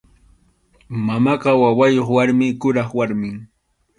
Mamaqa wawayuq warmi, kuraq warmim.